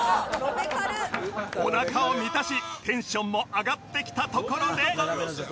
おなかを満たしテンションも上がってきたところで